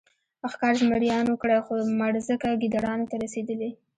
ښکار زمریانو کړی خو مړزکه ګیدړانو ته رسېدلې.